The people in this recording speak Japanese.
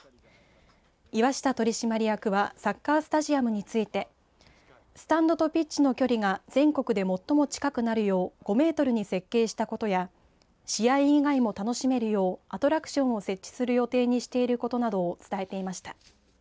岩下取締役はサッカースタジアムについてスタンドをピッチの距離が全国で最も近くなるよう５メートルに設計したことや試合以外も楽しめるようアトラクションを設置する予定にしていることなどを伝えていました。